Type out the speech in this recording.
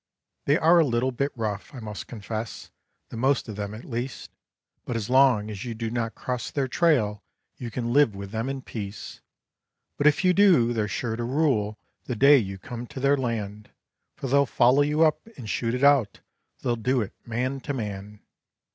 They are a little bit rough, I must confess, the most of them at least; But as long as you do not cross their trail, you can live with them in peace. But if you do, they're sure to rule, the day you come to their land, For they'll follow you up and shoot it out, they'll do it man to man.